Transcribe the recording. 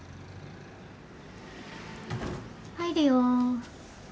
・入るよ。